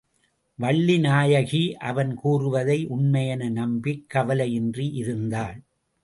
வள்ளிநாயகி அவன் கூறுவதை உண்மையென நம்பிக் கவலையின்றி இருந்தாள்.